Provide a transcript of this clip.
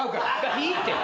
いいって。